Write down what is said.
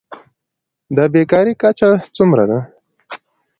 د بیکارۍ کچه څومره ده؟